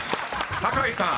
［酒井さん